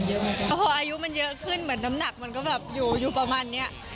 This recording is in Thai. เพราะพออายุมันเยอะขึ้นเหมือนน้ำหนักมันก็แบบอยู่อยู่ประมาณเนี้ย